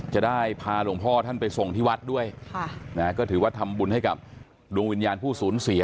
จะได้พาหลวงพ่อท่านไปส่งที่วัดด้วยก็ถือว่าทำบุญให้กับดวงวิญญาณผู้สูญเสีย